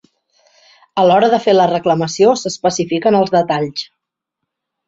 A l'hora de fer la reclamació s'especifiquen els detalls.